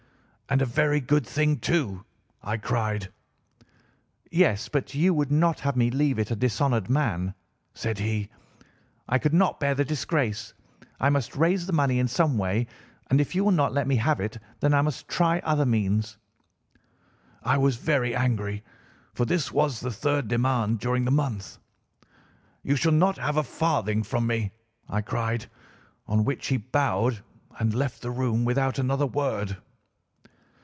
"'And a very good thing, too!' I cried. "'Yes, but you would not have me leave it a dishonoured man,' said he. 'I could not bear the disgrace. I must raise the money in some way, and if you will not let me have it, then I must try other means.' "I was very angry, for this was the third demand during the month. 'You shall not have a farthing from me,' I cried, on which he bowed and left the room without another word.